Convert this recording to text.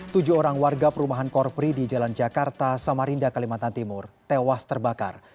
tujuh orang warga perumahan korpri di jalan jakarta samarinda kalimantan timur tewas terbakar